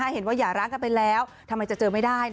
เห็นว่าอย่ารักกันไปแล้วทำไมจะเจอไม่ได้